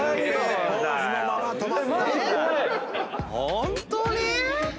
ホントに？